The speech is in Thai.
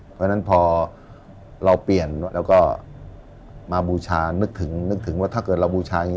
เพราะฉะนั้นพอเราเปลี่ยนแล้วก็มาบูชานึกถึงนึกถึงว่าถ้าเกิดเราบูชาอย่างนี้